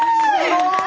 すごい！